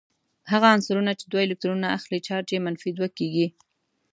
هغه عنصرونه چې دوه الکترونونه اخلې چارج یې منفي دوه کیږي.